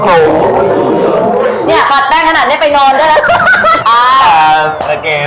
เอาเลย